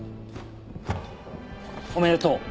おめでとう。